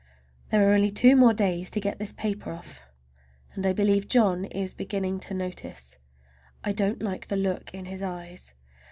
There are only two more days to get this paper off, and I believe John is beginning to notice. I don't like the look in his eyes.